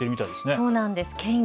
そうなんです。